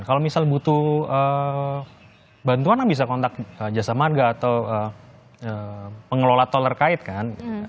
kalau misal butuh bantuan bisa kontak jasa marga atau pengelola tol terkait kan